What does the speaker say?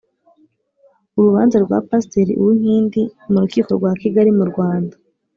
Urubanza rwa Pasteri Uwinkindi m'urukiko rwa Kigali mu Rwanda.